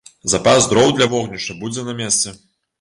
Запас дроў для вогнішча будзе на месцы.